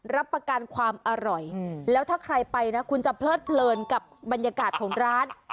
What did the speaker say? รับประกันความอร่อยแล้วถ้าใครไปนะคุณจะเพลิดเพลินกับบรรยากาศของร้าน